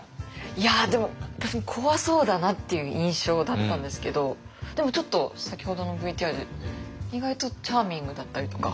いやでも私も怖そうだなっていう印象だったんですけどでもちょっと先ほどのＶＴＲで意外とチャーミングだったりとか。